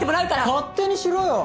勝手にしろよ！